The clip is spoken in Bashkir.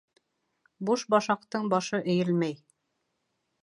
Буш башаҡтың башы эйелмәй.